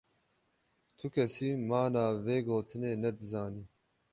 Tukesî mana vê gotine ne dizanî.